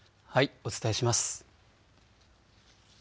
お伝えします。